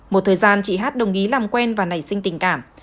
một thời gian chị hát đồng ý làm quen và nảy sinh tình cảm